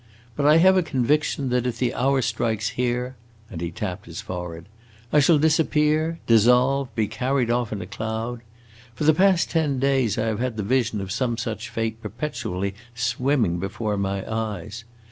But I have a conviction that if the hour strikes here," and he tapped his forehead, "I shall disappear, dissolve, be carried off in a cloud! For the past ten days I have had the vision of some such fate perpetually swimming before my eyes.